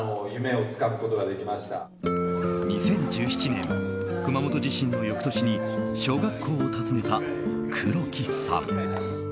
２０１７年、熊本地震の翌年に小学校を訪ねた黒木さん。